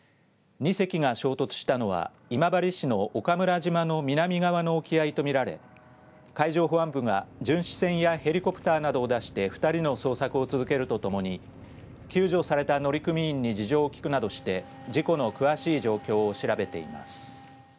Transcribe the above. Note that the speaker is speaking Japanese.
２隻が衝突したのは今治市の岡村島の南側の沖合と見られ海上保安部が巡視船やヘリコプターなどを出して２人の捜索を続けるとともに救助された乗組員に事情を聞くなどして事故の詳しい状況を調べています。